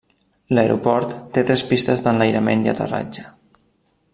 L'aeroport té tres pistes d'enlairament i aterratge.